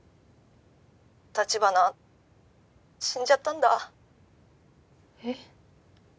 ☎立花死んじゃったんだえっ